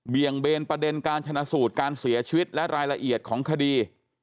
งเบนประเด็นการชนะสูตรการเสียชีวิตและรายละเอียดของคดี